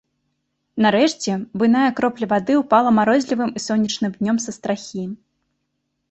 Нарэшце буйная кропля вады ўпала марозлівым і сонечным днём са страхі.